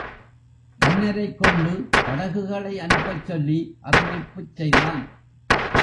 கன்னரைக் கொண்டு படகுகளை அனுப்பச் சொல்லி அறிவிப்புச் செய்தான்.